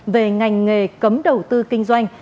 về ngành nghề cấm đầu tư kinh doanh